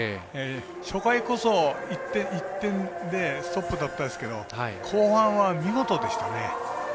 初回こそ、１点でストップだったんですけど後半は見事でしたね。